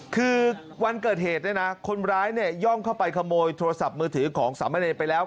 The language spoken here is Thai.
คือวันเกิดเหตุเนี่ยนะคนร้ายเนี่ยย่องเข้าไปขโมยโทรศัพท์มือถือของสามเณรไปแล้ว